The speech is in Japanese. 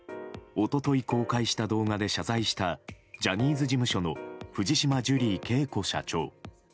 一昨日、公開した動画で謝罪したジャニーズ事務所の藤島ジュリー景子社長。